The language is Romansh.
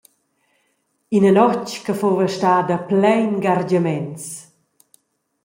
Ina notg che fuva stada plein gargiaments.